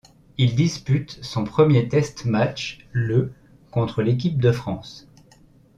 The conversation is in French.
Il dispute son premier test match le contre l'équipe de France.